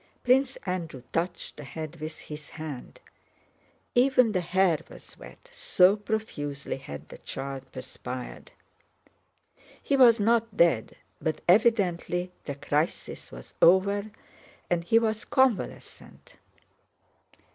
Prince Andrew touched the head with his hand; even the hair was wet, so profusely had the child perspired. He was not dead, but evidently the crisis was over and he was convalescent.